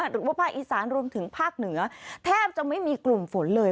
หรือว่าภาคอีสานรวมถึงภาคเหนือแทบจะไม่มีกลุ่มฝนเลย